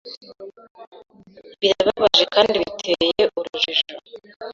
Birababaje kandi biteye urujijo.